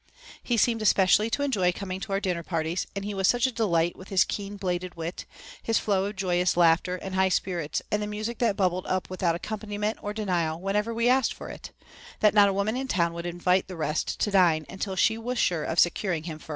He seemed especially to enjoy coming to our dinner parties and he was such a delight with his keen bladed wit, his flow of joyous laughter and high spirits and the music that bubbled up without accompaniment or denial whenever we asked for it, that not a woman in town would invite the rest to dine until she was sure of securing him first.